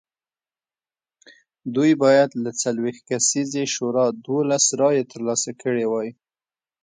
دوی باید له څلوېښت کسیزې شورا دولس رایې ترلاسه کړې وای